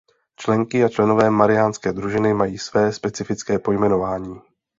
Členky a členové Mariánské družiny mají své specifické pojmenování.